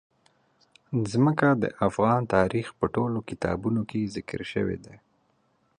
ځمکه د افغان تاریخ په ټولو کتابونو کې ذکر شوی دي.